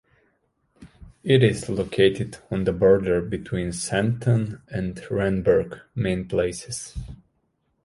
It is located on the border between Sandton and Randburg mainplaces.